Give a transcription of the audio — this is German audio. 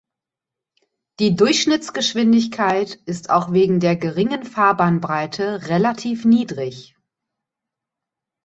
Die Durchschnittsgeschwindigkeit ist auch wegen der geringen Fahrbahnbreite relativ niedrig.